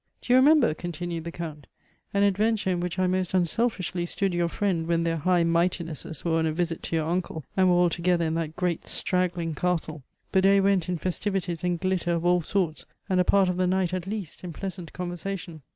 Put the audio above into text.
"Do you remember," continued the Count, "an adven ture in which I most unselfishly stood your friend when their High Mightinesses were on a visit to your uncle, and were all together in that great, straggling castle. The day went in festivities and glitter of all sorts; and a part of the night at least in pleasant conversation."